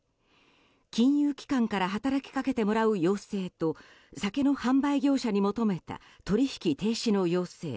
金融機関から働きかけてもらう要請と酒の販売業者に求めた取引停止の要請。